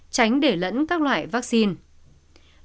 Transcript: tránh để lẫn các loại vaccine